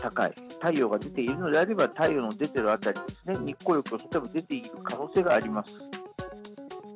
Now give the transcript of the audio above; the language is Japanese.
太陽が出ているのであれば、太陽の出ている辺りに、日光浴をするために出ていく可能性があります。